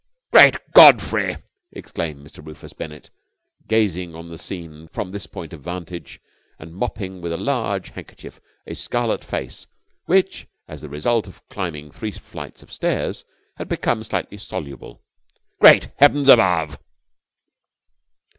"Great Godfrey!" exclaimed Mr. Rufus Bennett, gazing on the scene from this point of vantage and mopping with a large handkerchief a scarlet face, which, as the result of climbing three flights of stairs, had become slightly soluble. "Great Heavens above!"